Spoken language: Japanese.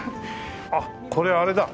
あっこれあれだ。